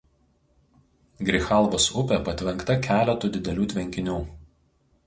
Grichalvos upė patvenkta keletu didelių tvenkinių.